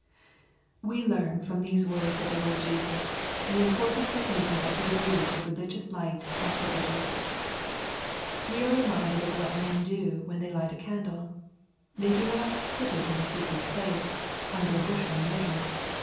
We learn from these words of the Lord Jesus, ihe im portance of making a good use of religious light and privileges. We are reminded of what men do when they light a candle. They do not " put it in a secret place," under a bushel measure.